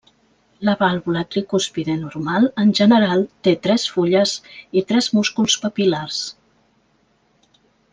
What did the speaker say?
La vàlvula tricúspide normal en general té tres fulles i tres músculs papil·lars.